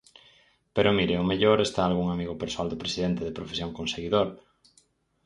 Pero mire, ao mellor, está algún amigo persoal do presidente de profesión conseguidor.